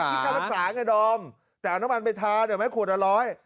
ไม่คิดค่ารักษาไงดอมแต่เอาน้ำมันไปทานเนี่ยแม่ขวดละร้อย